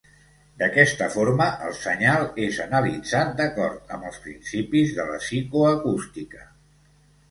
D'aquesta forma el senyal és analitzat d'acord amb els principis de la psicoacústica.